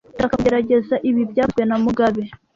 Ndashaka kugerageza ibi byavuzwe na mugabe